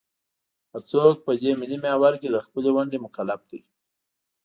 هر څوک په دې ملي محور کې د خپلې ونډې مکلف دی.